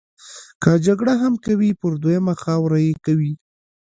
که جګړه هم کوي پر دویمه خاوره یې کوي.